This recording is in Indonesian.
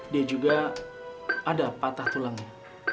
dia juga ada patah tulangnya